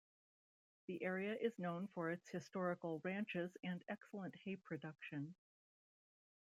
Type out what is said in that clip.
The area is known for its historical ranches and excellent hay production.